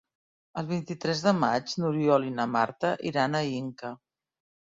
El vint-i-tres de maig n'Oriol i na Marta iran a Inca.